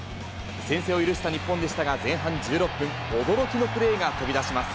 先制を許した日本でしたが、前半１６分、驚きのプレーが飛び出します。